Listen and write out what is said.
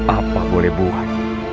apa boleh buat